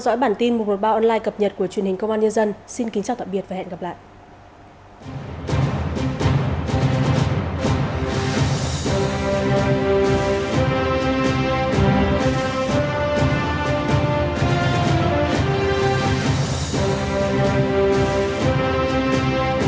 xin kính chào tạm biệt và hẹn gặp lại